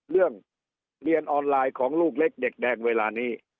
เรียนออนไลน์ของลูกเล็กเด็กแดงเวลานี้